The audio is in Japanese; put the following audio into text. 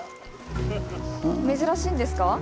珍しいんですか？